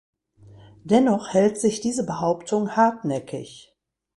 Dennoch hält sich diese Behauptung hartnäckig.